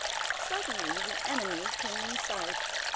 Suddenly the enemy came in sight.